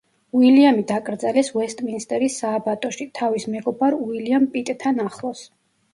უილიამი დაკრძალეს უესტმინსტერის სააბატოში, თავის მეგობარ უილიამ პიტთან ახლოს.